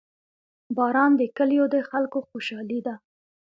• باران د کلیو د خلکو خوشحالي ده.